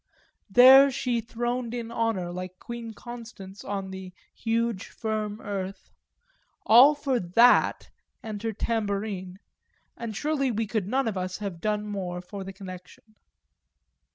There she throned in honour, like Queen Constance on the "huge firm earth" all for that and her tambourine; and surely we could none of us have done more for the connection.